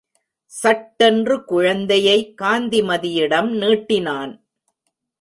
சட்டென்று குழந்தையை காந்திமதியிடம் நீட்டினான்.